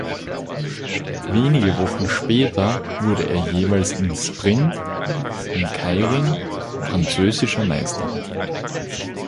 Wenige Wochen später wurde er jeweils in Sprint und Keirin französischer Meister.